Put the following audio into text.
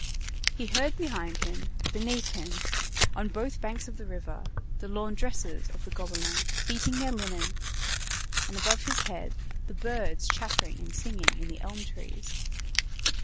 He heard behind him, beneath him, on both banks of the river, the laundresses of the Gobelins beating their linen, and above his head, the birds chattering and singing in the elm trees.